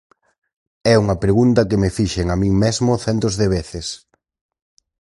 É unha pregunta que me fixen a min mesmo centos de veces.